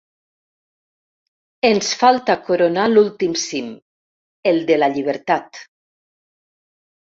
Ens falta coronar l’últim cim, el de la llibertat.